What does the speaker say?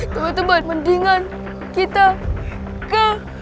temen temen mendingan kita ke